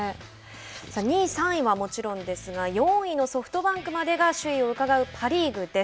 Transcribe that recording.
２位、３位はもちろんですが４位のソフトバンクまでが首位を伺うパ・リーグです。